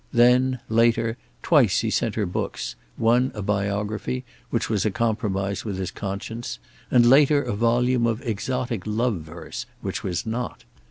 Then, later, twice he sent her books, one a biography, which was a compromise with his conscience, and later a volume of exotic love verse, which was not.